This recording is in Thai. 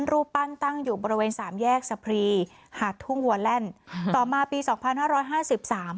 หัวแหล่นต่อมาปีสองพันห้าร้อยห้าสิบสาม